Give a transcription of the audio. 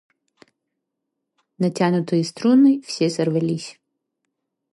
Натянутые струны все сорвались.